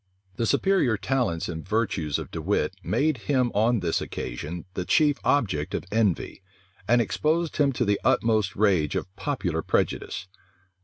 The superior talents and virtues of De Wit made him on this occasion the chief object of envy, and exposed him to the utmost rage of popular prejudice.